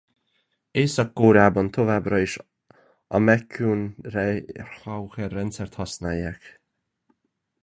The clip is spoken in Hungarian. Észak-Koreában továbbra is a McCune–Reischauer rendszert használják.